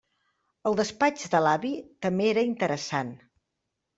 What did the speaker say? El despatx de l'avi també era interessant.